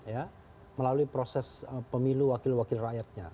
ya melalui proses pemilu wakil wakil rakyatnya